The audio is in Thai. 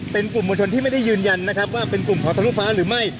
เป็นกลุ่มมวลชนที่ไม่ได้ยืนยันนะครับว่าเป็นกลุ่มของทะลุฟ้าหรือไม่